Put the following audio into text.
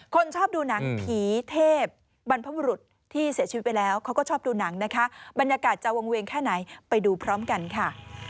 ชอบดูหนังผีเทพบรรพบุรุษที่เสียชีวิตไปแล้วเขาก็ชอบดูหนังนะคะบรรยากาศจะวงเวียงแค่ไหนไปดูพร้อมกันค่ะ